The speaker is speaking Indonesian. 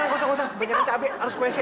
usah usah banyak cabe harus kue si